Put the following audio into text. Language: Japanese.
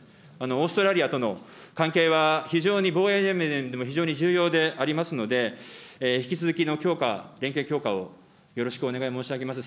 オーストラリアとの関係は非常に防衛面でも非常に重要でありますので、引き続きの強化、連携強化をよろしくお願い申し上げます。